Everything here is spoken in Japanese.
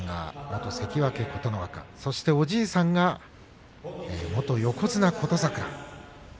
お父さんは元関脇の琴ノ若そしておじいさんが元横綱の琴櫻です。